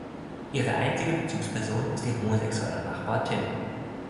Ihre einzige Bezugsperson ist ihr homosexueller Nachbar Tim.